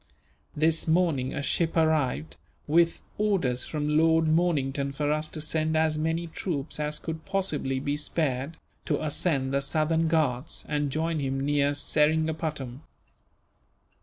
This morning a ship arrived, with orders from Lord Mornington for us to send as many troops as could possibly be spared, to ascend the southern Ghauts and join him near Seringapatam.